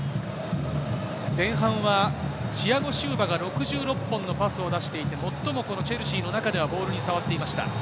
前半はチアゴ・シウバが６６本のパスを出していて、最もチェルシーの中ではボールに触っていました。